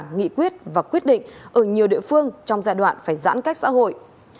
nghị quyết và quyết định ở nhiều địa phương trong giai đoạn phải giãn cách xã hội